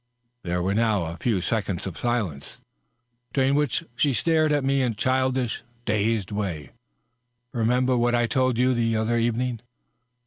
There were now a few seconds of silence, during which she stared at me in a childish, dazed way. " Kemember what I told you the other evening.